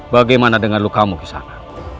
bagaimana dengan lukamu kisana